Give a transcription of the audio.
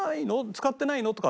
使ってないの？」とか。